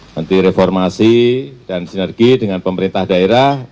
menteri reformasi dan sinergi dengan pemerintah daerah